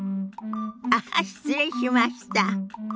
あっ失礼しました。